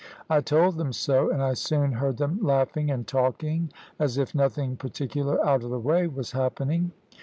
I told them so, and I soon heard them laughing and talking as if nothing particular out of the way was happening.